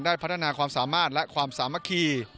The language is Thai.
พัฒนาความสามารถและความสามัคคี